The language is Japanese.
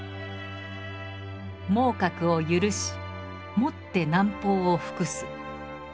「孟獲を赦しもって南方を服す」。